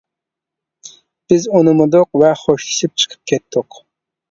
بىز ئۇنىمىدۇق ۋە خوشلىشىپ چىقىپ كەتتۇق.